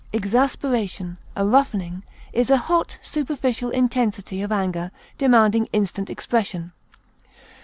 Exasperation, a roughening, is a hot, superficial intensity of anger, demanding instant expression.